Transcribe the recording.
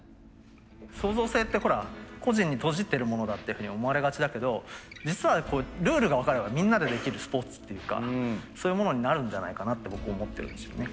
創造性ってほら個人に閉じてるものだっていうふうに思われがちだけど実はルールが分かればみんなでできるスポーツっていうかそういうものになるんじゃないかなって僕思ってるんですよね。